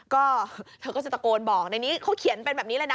ก็เธอก็จะตะโกนบอกในนี้เขาเขียนเป็นแบบนี้เลยนะ